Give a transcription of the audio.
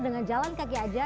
dengan jalan kaki aja